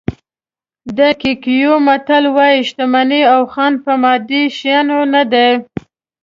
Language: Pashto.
د کیکویو متل وایي شتمني او خوند په مادي شیانو نه دي.